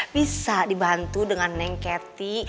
bisa dibantu dengan neng keti